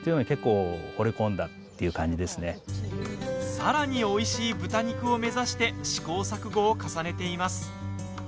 さらに、おいしい豚肉を目指して試行錯誤を重ねています。